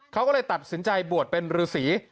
เขาก็เลยตัดสินใจบวชเป็นฤษี